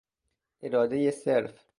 ارادهی صرف